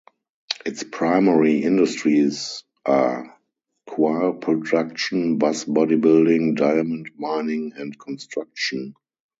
Its primary industries are coir production, bus bodybuilding, diamond mining, and construction.